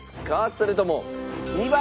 それとも２番。